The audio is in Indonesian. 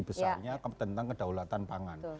besarnya tentang kedaulatan pangan